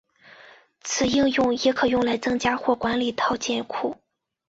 此应用也可用来增加或管理套件库。